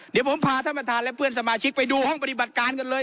เดี๋ยวผมพาท่านประธานและเพื่อนสมาชิกไปดูห้องปฏิบัติการกันเลย